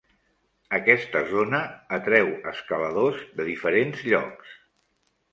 Aquesta zona atreu escaladors de diferents llocs.